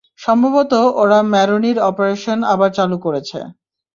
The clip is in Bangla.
সম্ভবত ওরা ম্যারোনির অপারেশন আবার চালু করেছে।